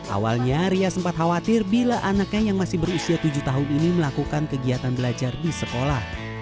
awalnya ria sempat khawatir bila anaknya yang masih berusia tujuh tahun ini melakukan kegiatan belajar di sekolah